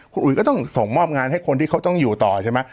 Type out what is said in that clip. คุณอุ๋ยก็ต้องส่งมอบงานให้คนที่เขาต้องอยู่ต่อใช่ไหม